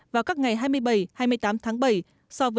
và các ngày hay hơn